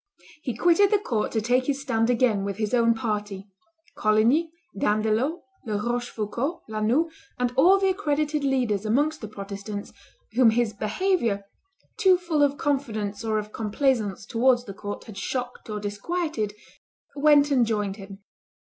He quitted the court to take his stand again with his own party. Coligny, D'Andelot, La Rochefoucauld, La Noue, and all the accredited leaders amongst the Protestants, whom his behavior, too full of confidence or of complaisance towards the court, had shocked or disquieted, went and joined him.